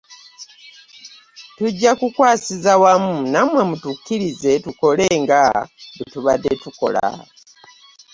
Tujja kukwasiza wamu nammwe, mutukkirize tukole nga bwe tubadde tukola